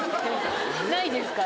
ないですか？